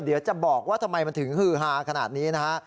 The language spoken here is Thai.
เดี๋ยวจะบอกว่าทำไมมันถึงฮือฮาขนาดนี้นะฮะ